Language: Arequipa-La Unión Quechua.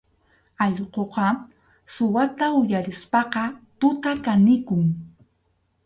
Allquqa suwata uyarispaqa tuta kanikun.